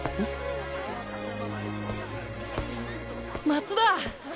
松田！